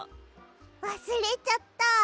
わすれちゃった。